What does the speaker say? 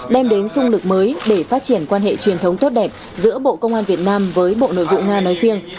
đem đến sung lực mới để phát triển quan hệ truyền thống tốt đẹp giữa bộ công an việt nam với bộ nội vụ nga nói riêng